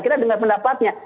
kita dengar pendapatnya